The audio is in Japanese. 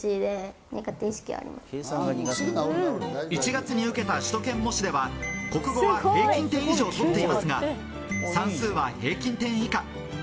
１月に受けた首都圏模試では国語は平均点以上を取っていますが、算数は平均点以下。